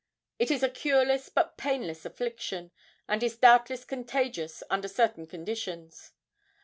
It is a cureless but painless affliction, and is doubtless contagious under certain conditions.